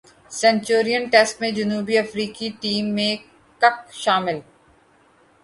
Centurion test جنوبی افریقی team میں کک شامل